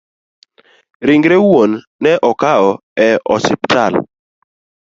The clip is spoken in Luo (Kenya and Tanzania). Ringre wuon ne okawo e osiptal